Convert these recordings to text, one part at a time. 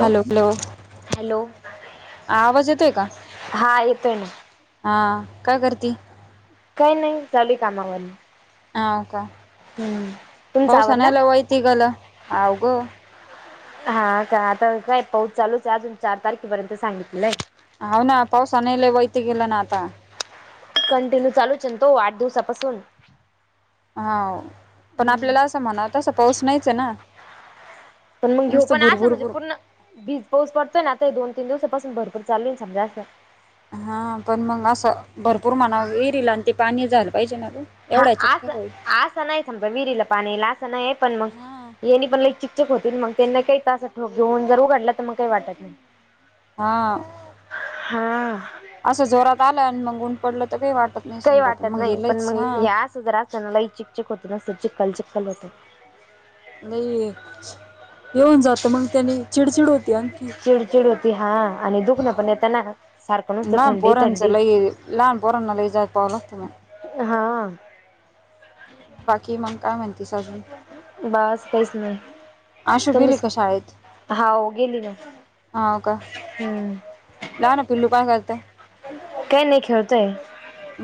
Hello लो hello आवाज येतोय का? हा येतोय ना आं काय करती? काय नाही चालली कामावरी. हाव का तुमचं पावसा ना आवरलं आलं वयतीगं आलं आव गं. हा का आता काय पाऊस चालूच आहे अजून चार तारखेपर्यंत सांगितलाय. हाव ना पाऊसने लय वैतीग गेलं ना आता. कंटिन्यू चालूच आहे ना तो आठ दिवसापासून. हाव पण आपल्याला असं म्हणवतसं पाऊस नाहीच आहे ना. पण घेऊ मंग नुसतं पण असं भुरभुर म्हणजे भुर पूर्ण वीज पाऊस पडतोय ना आता दोन-तीन दिवसापासून भरपूर चालूच सध्या असं. हा पण मंग असं भरपूर म्हणालं येरील आणि तू पाणी झालं पाहिजे ना गं. हा आसं आसं नाही समजा विहिरीला पाणी येईल असं नाहीय पण हा मंग येणी पण लय चीक चिक होतील मग त्यांना काही तासा ठोक घेऊन जर उघडला तर मग काही वाटत नाही. हां. हां. असं जोरात आलं आणि मंग ऊन पडलं तर काही वाटत नाही समजा पण मंग हे लंयच हां. तुजरासन म लय चिकचिक होतं नुसतं चिक्कल चिक्कल होतो. नाही येऊन जातो मंग त्याने चिडचिड होती आणखी. चिड होती हा आणि दुखनं पण येता ना सारखं नुसतं लहान थंडी पोरांचं थंडी. लई लहान पोरांना लय जयपावं लागतं म. हां. बाकी मंग काय म्हण बस काहीच नाही. आशू गेली तुम्हीच का शाळेत हाव गेली ना हम्म. जा ना पिल्लू काय करता, [unintelligible] काय नाही खेळतोय,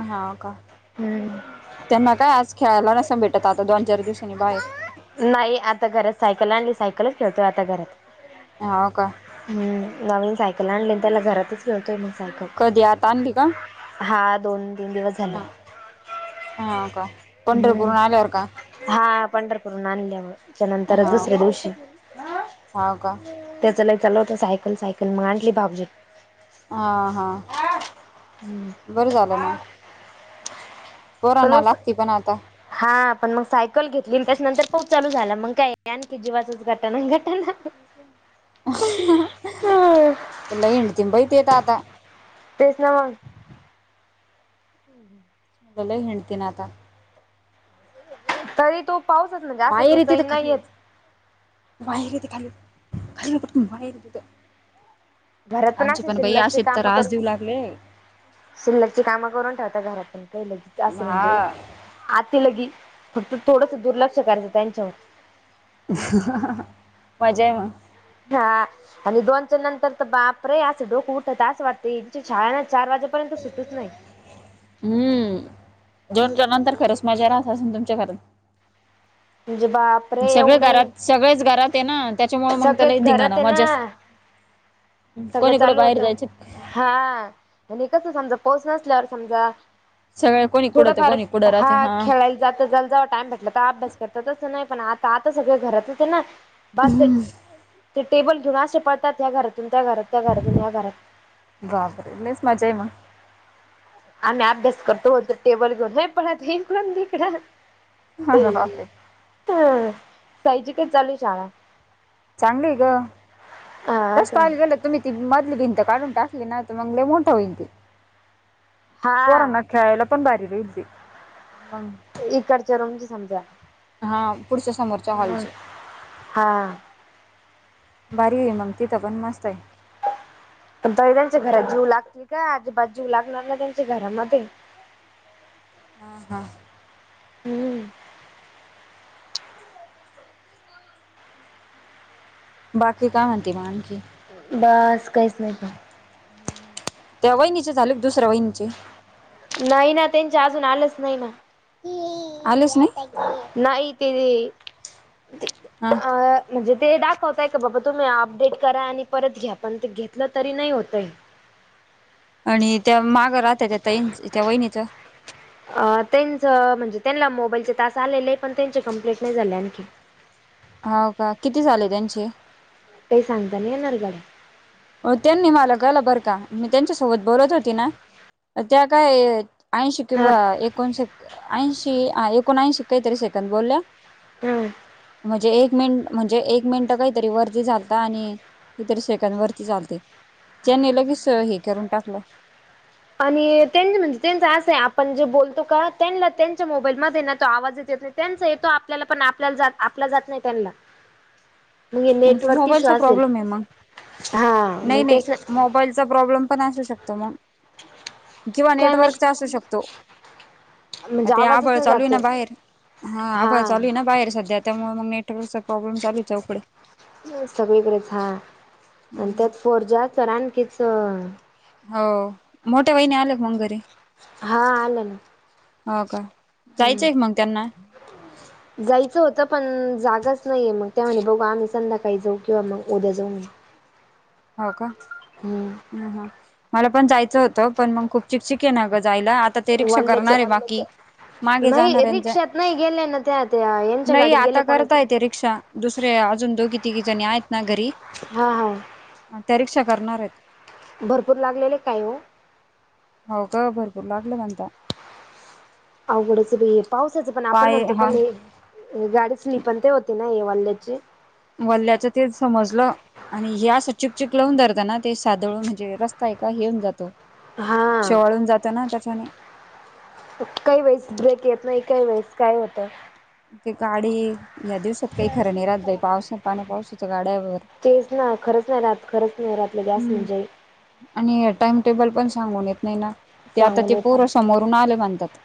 हा का, हम्म त्यांना काय आज खेळायला नसत भेटत आता दोन, चार दिवसांनी बाहेर. नाही. आता घरात सायकल आणली सायकलच खेळतोय आता घरात. हो का,? हम् नवीन सायकल आणले त्याला घरातच खेळतोय मग सायकल. कधी आता आणली का, हा दोन तीन दिवस, झाले ह हा काय पंढरपूर हम्म आलावर काय, हा, पंढरपूर आणले मि त्यानंतर हाव दुसऱ्या दिवशी हाव का त्याच चाल होत. सायकल मग आणली बाबजीत, हां हां बरं झालं ना? पण पोराणा मग लागती पण आता, हा, पण मग सायकल घेतली आणि त्याच्यानंतर पाऊस चालू झाला मग काय आणखी जीवाचच घटना घटना. हम्? लय हिंडीन बाई ते दादा. तेच ना मग, लय हिणतीन आता. तरी तू पावसात म्हणजे असं तू बाहेर येते चैन तर नाही खरी येत? बाहेर ये खाली, पटकन खालीत बाहेर येते. घरात आमचे असे पण बाई शिल्लकचे असे काम कर ञास देऊ लागले? शिल्लकची काम करून ठेवता घरात पण क ल क असं म्हणजे? हा आत लगी फक्त थोडस दुर्लक्ष करायचं त्यांच्यावर, हा हा मज्जा आहे मग, हा, आणि दोनच्या नंतर तर बाप रे, असं डोकं उठत असं वाटतंच्या शाळेना चार वाजेपर्यंत सुटूच नाही? हम्म दोन च्या नंतर खरच तुमच्या घरात, म्हणजे बाप. सगळे घरात सगळेच घरात आहे ना, त्याच्यामुळे मग त्याला सगळेच घरात धिंगाणा आहे मज्जाच ना सगळं कोणी कड चालू बाहेर होतं जायच. हा आणि कस पोच समजा. सगळे कोणी कुठं तर थोडाफार कोणी कुठं राहते हा खेळायला, जात जा टाइम भेटला तर अभ्यास करतातच नाही, पण आता आता सगळ घरात होते ना बस ते ते टेबल घेऊने पडतात ह घरातून त्या घरात त्या घरातून ह घरात. लय मज्जा आहे मग, आम्ही अभ्यास करतो होतो? टेबल घेऊन हे पण आता इकडून तिकड ह ह बापरे? ह साहि जिकच चालू शाळा [unintelligible] चांगली ग, हा तस का पाहिलं गेलं. तुम्ही ती मधली भिंत काढून टाकली ना. तर मग मोठा होईल? हा खेळायला पण भाजी दीसली मग, इकडच रमज समजा, हा, पुढच्या समोरच्या हॉल चि. हा भारी आहे मग तीथ पण मस्त आहे? पण तरी त्यांच्या घरात जीव लागतील का आजूबाजूंना जीव लागणार ना त्यांच्या घरामध्ये. हां हां हम्म बाकी काय म्हणते मग आणखी?? बास काहीच नाही. त्या वहिणीचे झाले दुसऱ्या वहिणीचे नाही ना त्यांचे अजून आलेच नाही ना. आलेच नाही. नाही त हा म्हणजे ते दाखवताय का बाबा तुम्ही अपडेट करा आणि परत घ्या पण ते घेतलं तरी नाही होतंय. आणि त्या मागं राहत त्या ताई त्या वहिणीचं? अ त्यांच म्हणजे त्यांनला मोबाईलचे तास आलेले आहे पण त्यांचे कंप्लेट नाही झाले आणखी. हाव का किती झाले त्यांचे? काही सांगता नाही येणार [unintelligible] हो त्यांनी मला कल बरं का मी त्यांच्या सोबत बोलत होती ना तर त्या काय ऐंशी हा किंवा एकोणशे ऐंशी एकोण ऐंशी काहीतरी सेकंद बोल्या. हा. म्हणजे एक मिनट म्हणजे एक मिनिट काहीतरी वरती झालता आणि कितीतरी सेकंद वरती झालते त्यांनी लगेच हे करून टाकलं आणि त्यां म्हणजे त्यांच असं आहे आपण जे बोलतो का त्यांनला त्यांच्या मोबाईलमध्ये ना तो आवाजचं येत त्यांचा येतो आपल्याला पण आपल्याला जात आपला जात नाही त्यांनला. मग तो मोबाईलचा प्रॉब्लेम आहे मंग. हा नाही मग नाही तेच ना मोबाईलचा प्रॉब्लेम पण असू शकतो मंग. किंवा काय नेटवर्कचा माहित असू शकतो. म्हणजे आता हे आवाजच आभळ नाही चालू आहे ना जातोय बाहेर हा आभळ चालू आहे ना बाहेर सध्या त्यामुळे मग नेट वर्कचा प्रॉब्लेम चालये चहूकडे. सगळीकडेच हा आणि त्यात फोरजी ला तर आणखीच हो मोठ्या वहिनी आल्या का मंग घरी?? हा आल्या ना. हाव का. हम्म... जायचंय का मग त्यांना जायचं होतं पण जागाच नाहीये मग त्या न्हणे बघू आम्ही संध्याकाळी जाऊ किंवा मग उद्या जाऊ म्हणे. हाव का.. हम्म ह ह... मला पण जायचं होतं पण मग खूप चिकचिकके ना गं जायला आता ते रिक्षा वल्याचं करणारे बाकी मागे नाही जाणाऱ्यांच्या रिक्षात नाही गेले ना त्या त्या यांच्या नाही गाडीत गेले आता कोणाचे करतायेत ते रिक्षा. दुसरे अजून दोघी तिघि जणी आहेत ना घरी. हां हां... त्या रिक्षा करणार आहेत. भरपूर लागलेले काय ओ?? हो का भरपूर लागलं म्हणता. अवघडच आहे बाई... पावसाचं पण आपण पाय म्हणतो हा पण हे गाडी स्लीपन ते होती ना ए वाल्ल्याची? मल्याच तेचं समजलं. आणि हे असं चिकचिक लावून धरत ना ते सादळ म्हणजे रस्ता आहे का हे होऊन जातो हा शेवाळून जातं ना त्याच्याने. काही वेळेस ब्रेक येत नाइ काही वेळेस काय होतं ते गाडी ह्या दिवसात काई खरं नाई रात बाई पावसा पाण्या पावसाच गाड्यावर तेच ना खरंच नाई रात खरंच नाइ रात लं गॅस हम्म म्हणजे आणि टाइम टेबल पण सांगून येत नाई ना ते आता सांगून ते येत पोरं समोरून आले म्हणतात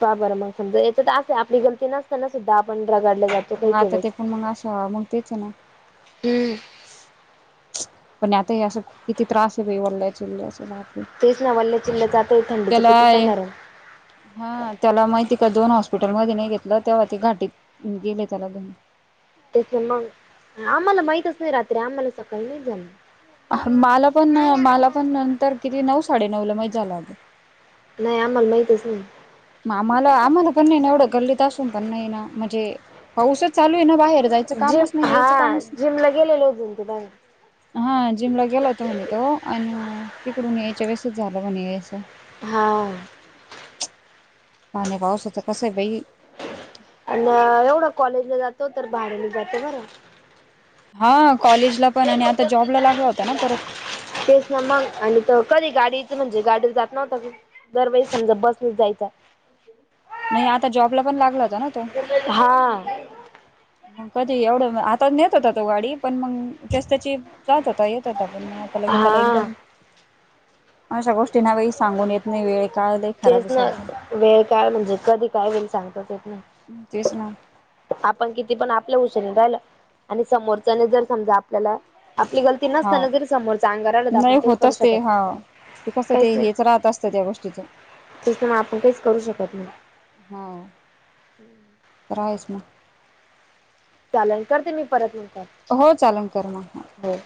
बा बरं मग समजा याच्या तर असे आपली गलती नसताना सुद्धा आपण रगाडलं जात मग आता ते पण मग असां मग तेचएना हम्म पण आता हे असं किती त्रासए बइ वल्या चिल्या तेच न वल्या चिल्ल जातोय थंडीचं किती करणार आहे हा त्याला मग तिक दोन हॉस्पिटल मध्ये नाइ घेतलं तेवा ती घाटीत गेले त्याला दोन त्याच अन मंग आमाला माहितच नाइ रात्री आम्हाला सकाळी माइतजाल आ ह मला पण मला पण नंतर किती नऊ साडे नऊला महिज जाल अगं नाय आमाला माहितच नाई म आमाला आम्हाला पण नाइ ना एवड गल्लीत असून पण नाइ ना म्हणजे पाऊसच चालूए ना बाहेर जाय जिम हा जिम ला गेलेलो होते ना ते बाहेर हा जिमला गेला होतो म्हणे तो अन तिकडून यायच्या वेळेसच झाला म्हणे हे असं हा पाण्या पावसाच कसंए बाई अन एवढं कॉलेजला जातो तर भाड्याने जातो बरं हा कॉलेजला पण आणि आता जॉबला लागला होता ना परत तेच ना मग आणि त कधी गाडीच म्हणजे गाडीवर जात नव्हता दरवेळी समजा बसनेच जायचा नइआता जॉबला पण लागला होता ना तो हा मग कधी एवड आाता नेत होता तो गाडी पण मग ज्यास त्याची जात होता येत होता पण मग आता लगे त्याला हा. एकदम अशा गोष्टीं ना बई सांगून येत नाही वेळ काळ बाई तेच ना वेळ काळ म्हणजे कधी काय होईल सांगता च येत नाई तेच ना आपण किती पण आपल्या हुशारीने राहिलं आणि समोरच्याने जर समजा आपल्याला आपली गलती हाव नसताना जरी समोरच अंगावर आलं तर आपण नाही काइच करू होतच शकत ते हाव नाई ते कस ते हेच राहत असतं त्या गोष्टीच तेच ना आपण काईच करू शकत नाई हो ते तर हायेच ना चालेन करते मी परत नंतर हो चालन कर मग बर